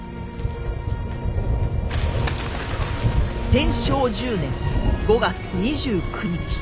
天正１０年５月２９日。